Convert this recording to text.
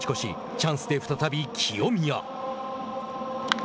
チャンスで再び清宮。